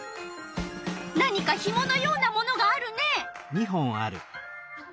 何かひものようなものがあるね。